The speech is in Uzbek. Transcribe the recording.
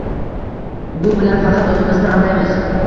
Bu bilan faqat o‘zimizni aldaymiz.